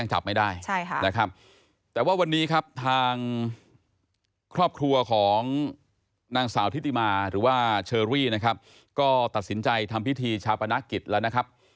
นางสาวธิติมาหรือว่าเชอรี่นะครับก็ตัดสินใจทำพิธีชาปนักกิจแล้วนะครับ